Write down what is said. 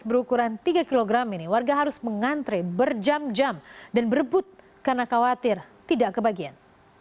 berukuran tiga kg ini warga harus mengantre berjam jam dan berebut karena khawatir tidak kebagian